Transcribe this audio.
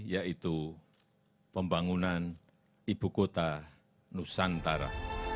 yaitu pembangunan ibu kota nusantara